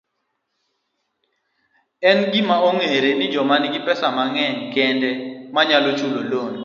En gima ong'ere ni joma nigi pesa mang'eny kendo manyalo chulo lon